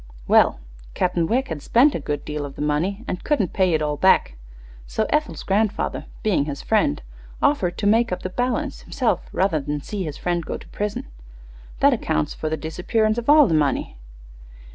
Well, Captain Wegg had spent a good deal of the money, and couldn't pay it all back; so Ethel's grandfather, being his friend, offered to makeup the balance himself rather than see his friend go to prison. That accounts for the disappearance of all the money."